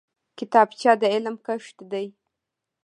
کتابچه د علم کښت دی